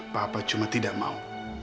papa cuma tidak mau